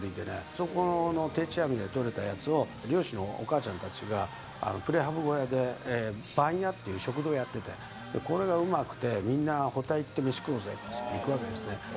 そこの定置網で取れたやつを、漁師のお母ちゃんたちがプレハブ小屋で、ばんやっていう食堂やってて、これがうまくて、みんな、保田行って飯食おうぜって行くわけですね。